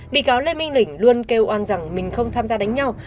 bị cáo lê minh lĩnh luôn kêu oan rằng mình không tham gia đánh nhau